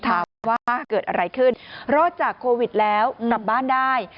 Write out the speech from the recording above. ถามว่าเกิดอะไรขึ้นรอดจากโควิดแล้วกลับบ้านได้